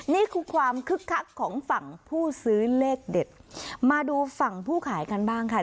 นี่คือความคึกคักของฝั่งผู้ซื้อเลขเด็ดมาดูฝั่งผู้ขายกันบ้างค่ะ